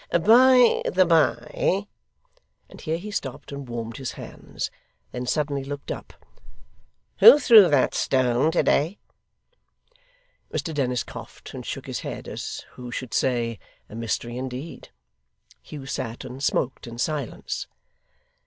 'By the bye' and here he stopped and warmed his hands: then suddenly looked up 'who threw that stone to day?' Mr Dennis coughed and shook his head, as who should say, 'A mystery indeed!' Hugh sat and smoked in silence.